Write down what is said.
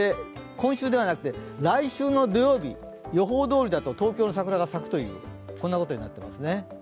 今週ではなくて、来週の土曜日、予報どおりだと東京の桜が咲くということになっていますね。